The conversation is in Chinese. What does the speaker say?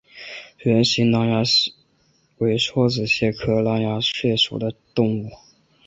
圆形狼牙蟹为梭子蟹科狼牙蟹属的动物。